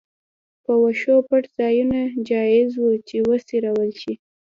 په وښو پټ ځایونه جایز وو چې وڅرول شي.